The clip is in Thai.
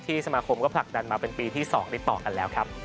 สมาคมก็ผลักดันมาเป็นปีที่๒ติดต่อกันแล้วครับ